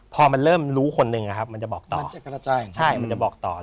พอมันเริ่มรู้คนหนึ่งมันจะบอกต่อ